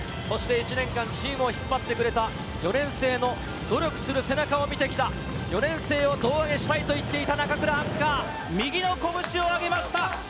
そして１年間、チームを引っ張ってくれた４年生の努力する背中を見てきた、４年生を胴上げしたいと言っていた中倉、アンカー、右の拳を挙げました。